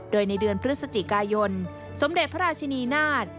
โดยในเดือนพฤศจิกายนสมเด็จพระราชินีนาฏ